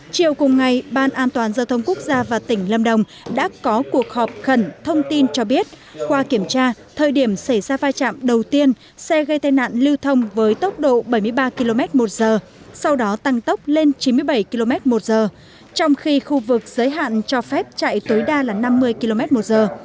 chiều cùng ngày ban an toàn giao thông quốc gia và tỉnh lâm đồng đã có cuộc họp khẩn thông tin cho biết qua kiểm tra thời điểm xảy ra vai trạm đầu tiên xe gây tai nạn lưu thông với tốc độ bảy mươi ba km một giờ sau đó tăng tốc lên chín mươi bảy km một giờ trong khi khu vực giới hạn cho phép chạy tối đa là năm mươi km một giờ